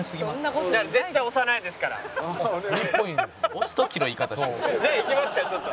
「押す時の言い方」じゃあ行きますかちょっと。